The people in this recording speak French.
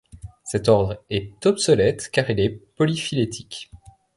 Cet ordre est obsolète, car il est polyphylétique.